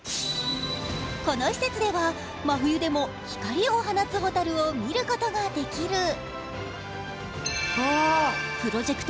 この施設では真冬でも光を放つ蛍を見ることができる。